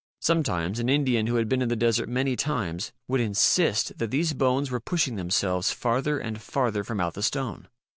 Sometimes an Indian who had been in the desert many times would insist that these bones were pushing themselves farther 92 MIGHTY ANIMALS and farther from out the stone.